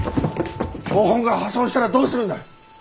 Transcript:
標本が破損したらどうするんだ！？